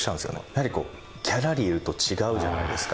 やはりこうギャラリーいると違うじゃないですか。